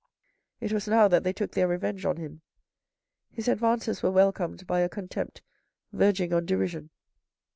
It was now that they took their revenge on him. His advances were welcomed by a contempt verging on derision.